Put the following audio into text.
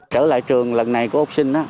trở lại trường lần này của học sinh